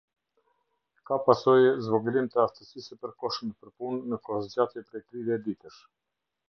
Ka pasojë zvogëlim të aftësisë së përkohshme për punë në kohëzgjatje prej tridhjetë ditësh.